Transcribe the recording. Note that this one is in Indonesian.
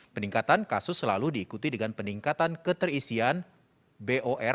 peningkatan kasus selalu diikuti dengan peningkatan keterisian bor